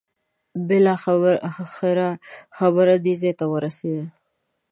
بالاخره خبره دې ځای ورسېده.